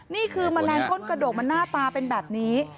นี่คือมะแรงก้นกระโดกมันหน้าตาเป็นแบบนี้